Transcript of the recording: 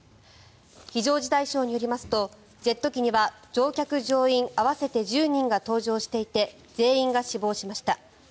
非常事態省によりますとジェット機には乗客・乗員合わせて１０人が搭乗していて全員が死亡しました。